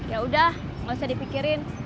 ya udah gak usah dipikirin